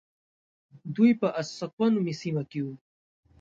دوی په السطوة نومې سیمه کې وو.